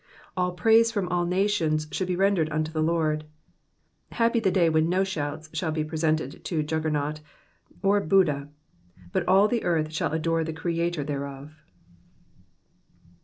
All praise from all nations should be rendered unto the Lord. Happy the day when no shouts shall be presented to Juggernaut or Boodh, but all the earth shall adore the Creator thereof.